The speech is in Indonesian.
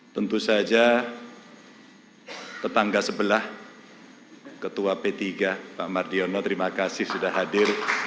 tentu saja tetangga sebelah ketua p tiga pak mardiono terima kasih sudah hadir